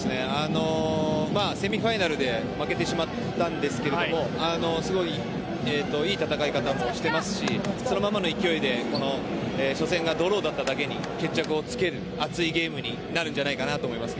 セミファイナルで負けてしまったんですがすごい、いい戦い方もしてますしそのままの勢いで初戦がドローだっただけに決着をつける熱いゲームになるんじゃないかと思います。